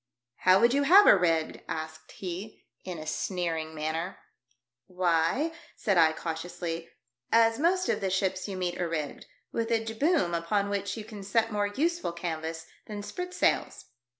" How would you have her rigged?" asked he, in a sneering manner. " Why," said I, cautiously, " as most of the ships you meet are rigged — with a jib boom upon which you can set more useful canvas than spritsails."